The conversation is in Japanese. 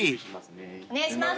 お願いします。